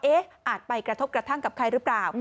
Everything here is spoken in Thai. อาจไปกระทบกระทั่งกับใครหรือเปล่า